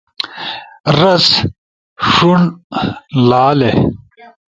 رس، ݜُون -لالے